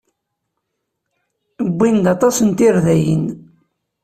Wwin-d aṭas n tirdayin.